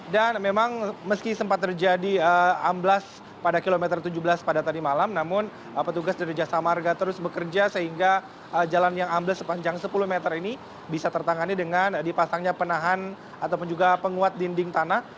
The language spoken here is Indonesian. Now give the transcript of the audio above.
memang meski sempat terjadi amblas pada kilometer tujuh belas pada tadi malam namun petugas dari jasa marga terus bekerja sehingga jalan yang ambles sepanjang sepuluh meter ini bisa tertangani dengan dipasangnya penahan ataupun juga penguat dinding tanah